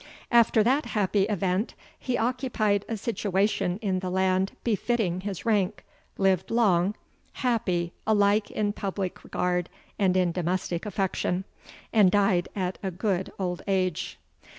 After that happy event, he occupied a situation in the land befitting his rank, lived long, happy alike in public regard and in domestic affection, and died at a good old age.